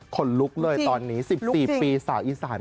คนลุกเลยตอนนี้๑๔ปีสาวอีสาน